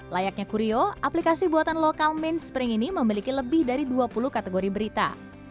layaknya kuryo aplikasi buatan lokal main spring ini memiliki lebih dari dua puluh kategori berita